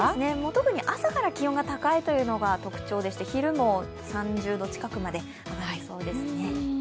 特に朝から気温が高いのが特徴でして昼も３０度近くまで上がりそうですね。